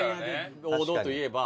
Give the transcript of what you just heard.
王道と言えば。